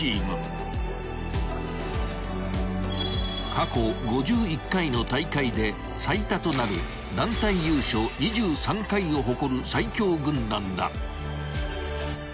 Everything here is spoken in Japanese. ［過去５１回の大会で最多となる団体優勝２３回を誇る最強軍団だ］